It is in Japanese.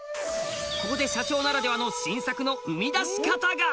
ここで社長ならではの新作の生み出し方が！